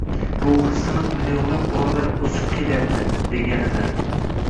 ruhi siniq millionlab bolalar o‘sib kelyapti, deganidir.